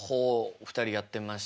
２人やってました。